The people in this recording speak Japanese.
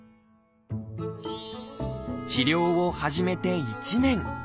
治療を始めて１年。